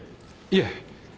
いえ。